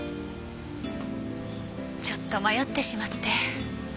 ちょっと迷ってしまって。